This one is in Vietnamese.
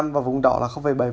và vùng đỏ là bảy